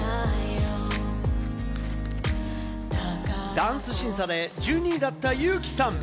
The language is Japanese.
ダンス審査で１２位だったユウキさん。